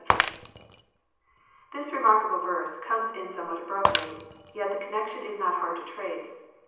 '] This remarkable verse comes in somewhat abruptly. Yet the connection is not hard to trace.